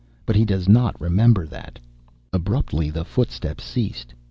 But he does not remember that. Abruptly the footsteps ceased.